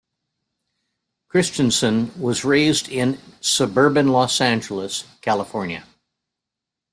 Christensen was raised in suburban Los Angeles, California.